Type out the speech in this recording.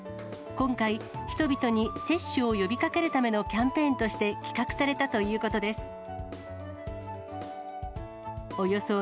今回、人々に接種を呼びかけるためのキャンペーンとして、企画されたということです。